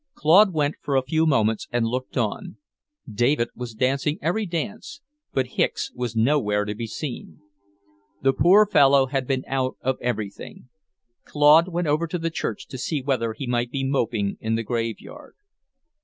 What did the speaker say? Claude went for a few moments, and looked on. David was dancing every dance, but Hicks was nowhere to be seen. The poor fellow had been out of everything. Claude went over to the church to see whether he might be moping in the graveyard.